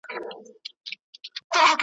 د بازانو د مرغانو ننداره وه ,